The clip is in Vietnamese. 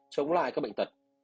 chống lại các bệnh tật